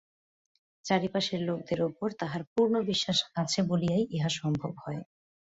চারি পাশের লোকদের উপর তাঁহার পূর্ণ বিশ্বাস আছে বলিয়াই ইহা সম্ভব হয়।